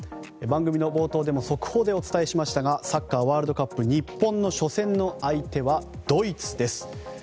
番組の冒頭でも速報でお伝えしましたがサッカーワールドカップ日本の初戦の相手はドイツです。